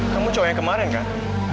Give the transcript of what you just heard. kamu cowok yang kemarin kan